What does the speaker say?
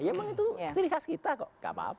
ya memang itu ciri khas kita kok